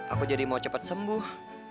aku jadi mau cepat sembuh